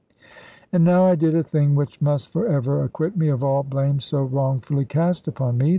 And now I did a thing which must for ever acquit me of all blame so wrongfully cast upon me.